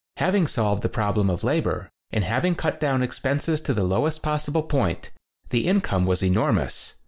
Having solved the problem of labor, and having cut down expenses to the lowest possible point, the income was enormous.